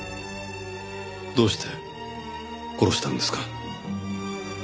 どうして殺したんですか？